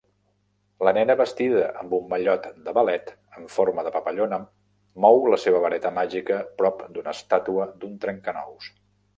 La nena vestida amb un mallot de ballet en forma de papallona mou la seva vareta màgica prop d'una estàtua d'un trencanous.